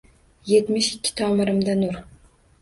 Yetmish ikki tomirimda nur